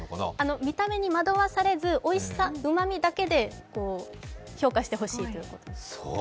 見た目に惑わされずおいしさ、うまみだけで評価してほしいということです。